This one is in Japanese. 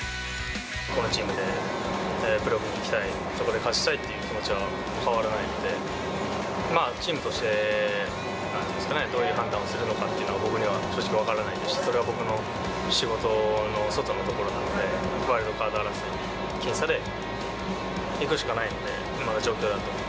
このチームでプレーオフに行きたい、そこで勝ちたいっていう気持ちは変わらないので、チームとして、なんですかね、どういう判断をするのかっていうのは、僕には正直分からないですし、それは僕の仕事の外のところなので、ワイルドカード争いに僅差でいくしかないので、今の状況だと。